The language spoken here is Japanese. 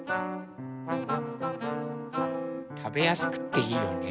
たべやすくていいよね。